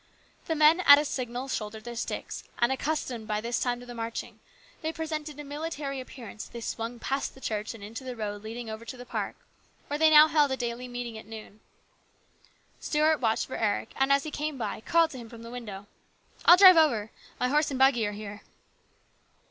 The men at a signal shouldered their sticks, and accustomed by this time to the marching, they presented a military appear ance as they swung past the church and into the road leading over to the park, where they now held a daily meeting at noon. Stuart watched for Eric, and, as he came by, called to him from the window :" I'll drive over. My horse and buggy are here."